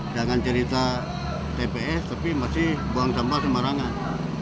jangan cerita tps tapi masih buang sampah sembarangan